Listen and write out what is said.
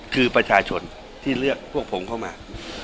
คือประชาชนที่เลือกพวกผมเข้ามา